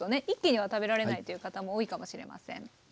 一気には食べられないという方も多いかもしれません。